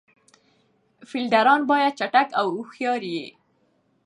فیلډران باید چټک او هوښیار يي.